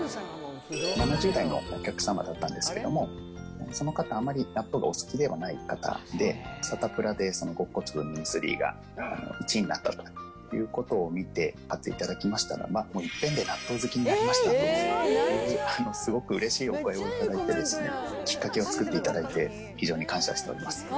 ７０代のお客様だったんですけれども、その方、あまり納豆がお好きではない方で、サタプラで極小粒ミニ３が１位になったということを見て、買っていただきましたら、いっぺんで納豆好きになりましたと、すごくうれしいお声を頂いてですね、きっかけを作っていただいて、非常に感謝しております。